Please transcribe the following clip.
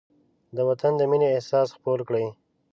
د وطن د مینې احساس خپور کړئ.